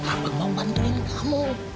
abang mau bantuin kamu